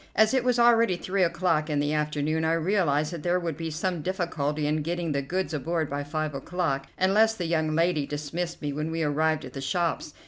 As it was already three o'clock in the afternoon, I realized that there would be some difficulty in getting the goods aboard by five o'clock, unless the young lady dismissed me when we arrived at the shops.